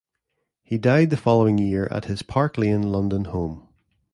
He died the following year at his Park Lane London home.